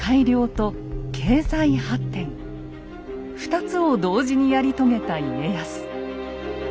２つを同時にやり遂げた家康。